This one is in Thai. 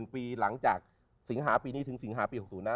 ๑ปีหลังจากสิงหาปีนี้ถึงสิงหาปี๖๐นะ